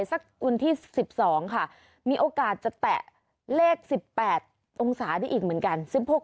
วันที่๑๒ค่ะมีโอกาสจะแตะเลข๑๘องศาได้อีกเหมือนกัน